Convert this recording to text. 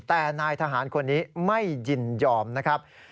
แต่นายทหารคนนี้ไม่ยินยอมนะครับ